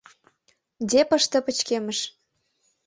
Депошто пычкемыш.